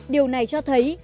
điều này cho thấy